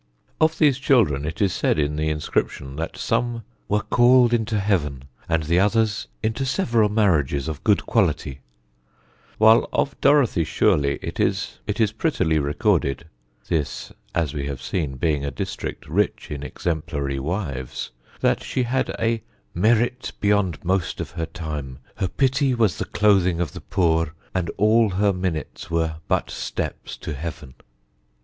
Of these children it is said in the inscription that some "were called into Heaven and the others into several marriages of good quality"; while of Dorothy Shurley it is prettily recorded (this, as we have seen, being a district rich in exemplary wives) that she had "a merite beyond most of her time, ... her pitty was the clothing of the poore ... and all her minutes were but steppes to heaven."